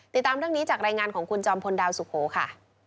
ติดตามเรื่องนี้จากรายงานของคุณจอมพลดาวสุโขค่ะ